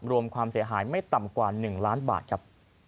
รวมความเสียหายไม่ต่ำกว่า๑ล้านบาทครับ